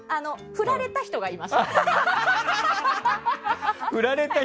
フラれた人はいました。